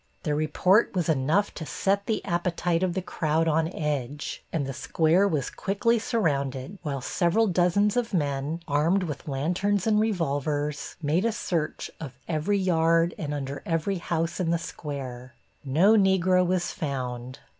Their report was enough to set the appetite of the crowd on edge, and the square was quickly surrounded, while several dozens of men, armed with lanterns and revolvers, made a search of every yard and under every house in the square. No Negro was found.